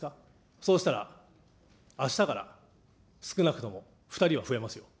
そうしたら、あしたから少なくとも２人は増えますよ。